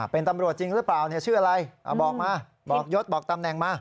เป็นตำรวจจริงหรือเปล่าชื่ออะไรบอกมาบอกยศบอกตำแหน่งมา